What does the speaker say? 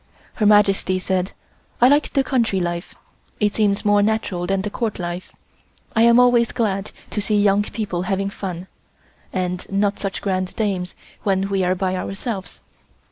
Her Majesty said: "I like the country life. It seems more natural than the Court life. I am always glad to see young people having fun, and not such grand dames when we are by ourselves.